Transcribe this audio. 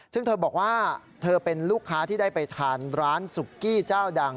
ซึ่งเธอบอกว่าเธอเป็นลูกค้าที่ได้ไปทานร้านสุกี้เจ้าดัง